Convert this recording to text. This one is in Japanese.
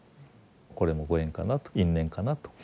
これもご縁かなと因縁かなと。